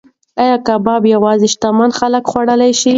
ایا کباب یوازې شتمن خلک خوړلی شي؟